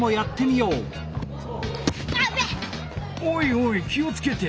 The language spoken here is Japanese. おいおい気をつけて！